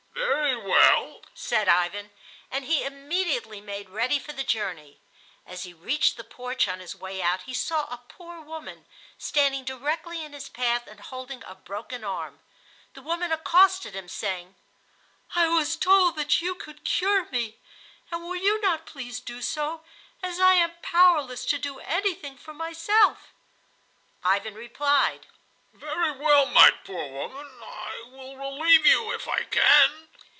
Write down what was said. "Very well," said Ivan; and he immediately made ready for the journey. As he reached the porch on his way out he saw a poor woman standing directly in his path and holding a broken arm. The woman accosted him, saying: "I was told that you could cure me, and will you not please do so, as I am powerless to do anything for myself?" Ivan replied: "Very well, my poor woman; I will relieve you if I can."